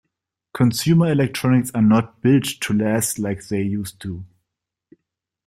Consumer electronics are not built to last like they used to.